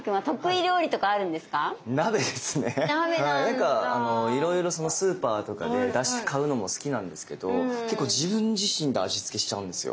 何かいろいろスーパーとかでだし買うのも好きなんですけど結構自分自身で味付けしちゃうんですよ。